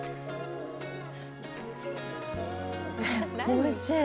おいしい。